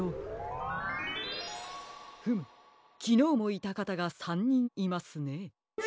フムきのうもいたかたが３にんいますね。